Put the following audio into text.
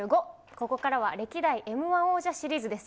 ここからは歴代Ｍー１王者シリーズです。